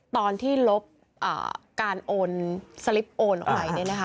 ตอนที่ลบการสลิปโอนใหม่